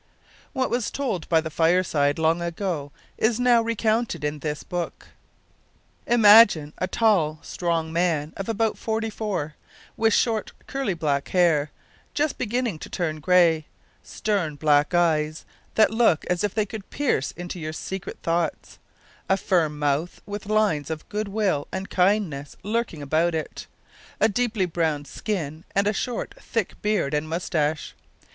What was told by the fireside, long ago, is now recounted in this book. Imagine a tall, strong man, of about five and forty, with short, curly black hair, just beginning to turn grey; stern black eyes, that look as if they could pierce into your secret thoughts; a firm mouth, with lines of good will and kindness lurking about it; a deeply browned skin, and a short, thick beard and moustache.